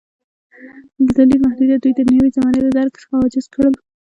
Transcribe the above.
د لید محدودیت دوی د نوې زمانې له درک څخه عاجز کړل.